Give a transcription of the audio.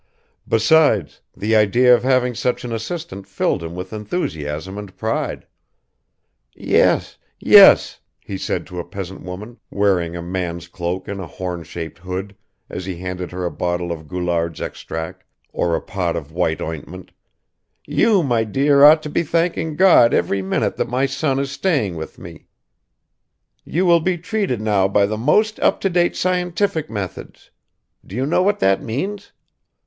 Besides, the idea of having such an assistant filled him with enthusiasm and pride. "Yes, yes," he said to a peasant woman wearing a man's cloak and a horn shaped hood, as he handed her a bottle of Goulard's extract or a pot of white ointment, "you, my dear, ought to be thanking God every minute that my son is staying with me; you will be treated now by the most up to date scientific methods; do you know what that means?